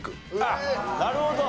なるほど。